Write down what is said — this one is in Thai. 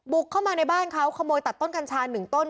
เข้ามาในบ้านเขาขโมยตัดต้นกัญชา๑ต้น